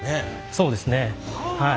そうですねはい。